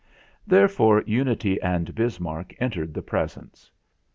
Therefore Unity and Bismarck entered the presence.